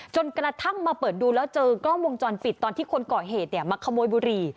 จนกระทั่งมาเปิดดูแล้วเจอกล้องวงจรปิดตอนที่คนก่อเหตุมาขโมยบุหรี่